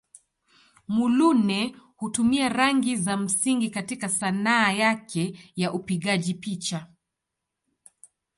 Muluneh hutumia rangi za msingi katika Sanaa yake ya upigaji picha.